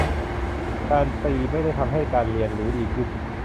การตีไม่ได้ทำให้การเรียนรู้ดีขึ้น